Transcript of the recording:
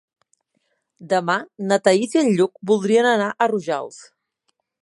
Demà na Thaís i en Lluc voldrien anar a Rojals.